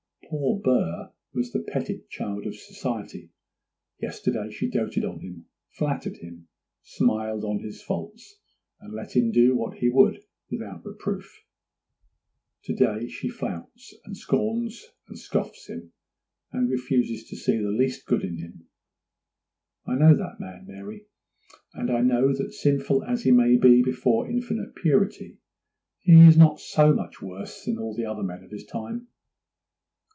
Poor Burr was the petted child of society: yesterday she doted on him, flattered him, smiled on his faults, and let him do what he would without reproof; to day she flouts, and scorns, and scoffs him, and refuses to see the least good in him. I know that man, Mary, and I know that sinful as he may be before Infinite Purity, he is not so much worse than all the other men of his time.